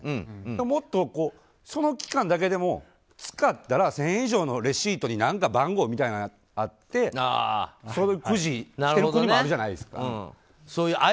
もっとその期間だけでも使ったら１０００円以上のレシートに何か番号みたいなのがあってそれでくじを引ける国もあるじゃないですか。